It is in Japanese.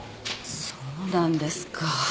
そうなんですか。